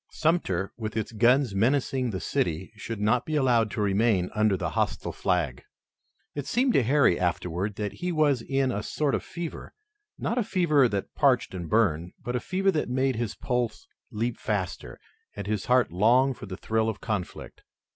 Sumter with its guns menacing the city should not be allowed to remain under the hostile flag. It seemed to Harry afterward that he was in a sort of fever, not a fever that parched and burned, but a fever that made his pulse leap faster, and his heart long for the thrill of conflict.